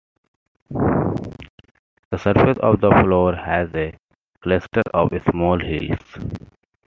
The surface of the floor has a cluster of small hills.